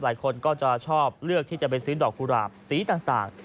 หลายคนก็จะชอบเลือกที่จะไปซื้อดอกกุหลาบสีต่าง